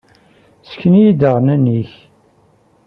Ssken-iyi-d aɣanen-nnek.